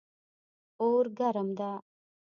اور ګرم ده